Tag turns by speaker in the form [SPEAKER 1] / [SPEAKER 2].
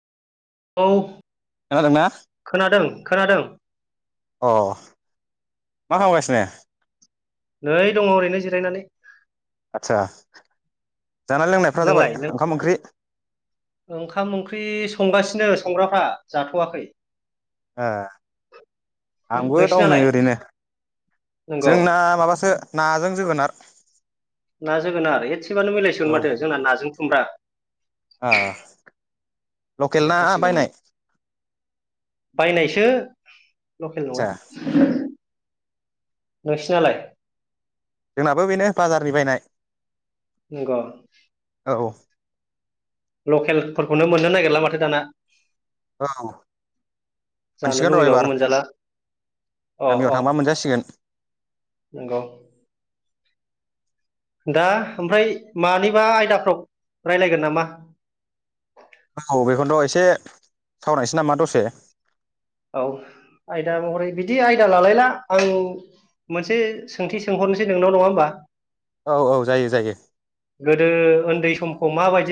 [SPEAKER 1] औ
[SPEAKER 2] खानादोंना?
[SPEAKER 1] खोनादों खोनादों
[SPEAKER 2] अ मा खामगासि नो?
[SPEAKER 1] नै दङ ओरैनो जिरायनानै।
[SPEAKER 2] आदसा जानाय लोंनायफ्रा जाबाय
[SPEAKER 1] नोंलाय नों
[SPEAKER 2] ओंखाम ओंख्रि?
[SPEAKER 1] ओंखाम ओंख्रि संगासिनो संग्राफ्रा जाथ'वाखै।
[SPEAKER 2] ए आंबो दंनै
[SPEAKER 1] नोंसिनालाय
[SPEAKER 2] ओरैनो।
[SPEAKER 1] नंगौ
[SPEAKER 2] जोंना माबासो नाजों जोगोनार।
[SPEAKER 1] ना जोगोनार एसेबानो मिलायसिगोन
[SPEAKER 2] औ
[SPEAKER 1] माथो जोंना नाजों खुमब्रा।
[SPEAKER 2] आ लकेल ना
[SPEAKER 1] थारसिगौमोन
[SPEAKER 2] बायनाय?
[SPEAKER 1] बायनायसो लकेल नङा।
[SPEAKER 2] आदसा
[SPEAKER 1] नोंसिनालाय?
[SPEAKER 2] जोंनाबो बेनो बाजारनि बायनाय।
[SPEAKER 1] नोंगौ?
[SPEAKER 2] औ।
[SPEAKER 1] लकेलफोरखौनो मोननो नागिरला माथो दाना।
[SPEAKER 2] औ।
[SPEAKER 1] जानो
[SPEAKER 2] मोनसिगोन र'
[SPEAKER 1] लुुबैबाबो
[SPEAKER 2] इबार
[SPEAKER 1] मोनजाला अ
[SPEAKER 2] गामियाव
[SPEAKER 1] अ
[SPEAKER 2] थांबा मोनजासिगोन।
[SPEAKER 1] नंगौ। दा ओमफ्राय मानिबा आयदाफ्राव रायलायगोन नामा?
[SPEAKER 2] औ बेखौनोथ' एसे सावरायनोसै नामा दसे।
[SPEAKER 1] औ आयदा महरै बिदि आयदा लालायला आं मोनसे सोंथि सोंहरनोसै नोंनाव नङा होनबा?
[SPEAKER 2] औ औ जायो जायो।
[SPEAKER 1] गोदो उन्दै समखौ माबायदि